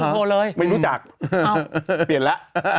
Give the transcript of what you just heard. อ้าแหละไม่รู้จักเปลี่ยนละ